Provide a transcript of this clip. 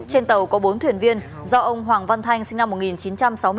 trên tàu có bốn thuyền viên do ông hoàng văn thanh sinh năm một nghìn chín trăm sáu mươi bốn